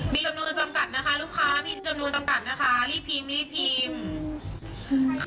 มีจำนวนจำกัดนะคะลูกค้ามีจำนวนจำกัดนะคะรีบพิมพ์รีบพิมพ์